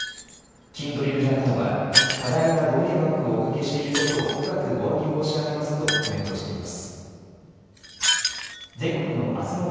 キンドリルジャパンは多大なご迷惑をおかけしていることを深くおわび申し上げますとコメントしています。